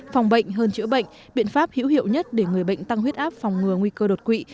phòng bệnh hơn chữa bệnh biện pháp hữu hiệu nhất để người bệnh tăng huyết áp phòng ngừa nguy cơ đột quỵ